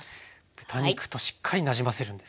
豚肉としっかりなじませるんですね。